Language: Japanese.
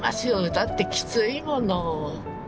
だってきついもの！